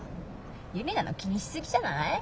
ユリナの気にしすぎじゃない？